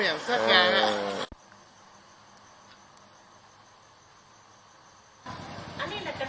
อันนี้กำลังหวาน